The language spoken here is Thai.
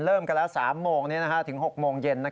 เริ่มกันแล้วบ้าน๓๖โมงเย็น